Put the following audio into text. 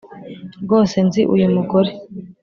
rwose nzi uyu mugore